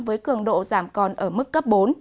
với cường độ giảm còn ở mức cấp bốn